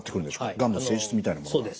がんの性質みたいなものは。